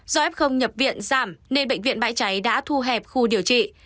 do f nhập viện giảm nên bệnh viện bãi cháy đã thu hẹp khu điều trị